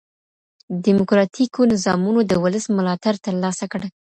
ډيموکراټيکو نظامونو د ولس ملاتړ ترلاسه کړ.